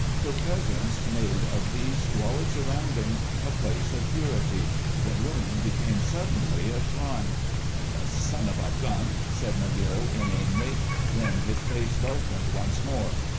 Her presence made of these squalid surroundings a place of purity; the room became suddenly a shrine. "The son of a gun!" said McGill, inanely, then his face darkened once more.